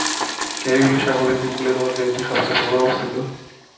ক্যারিবীয় সাগরের দ্বীপগুলির মধ্যে এটি সবচেয়ে পূর্বে অবস্থিত।